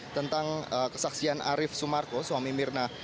tentang kesaksian arief sumarko suami mirna